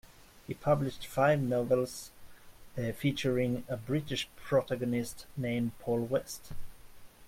He published five novels featuring a British protagonist named Paul West.